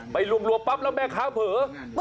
ไปรวมปั๊บแล้วแม่ขาเผลอหันไปคุยกับลูกค้า